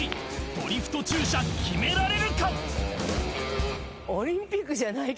ドリフト駐車決められるか？